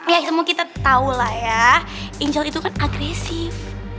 ya semua kita tahu lah ya ancol itu kan agresif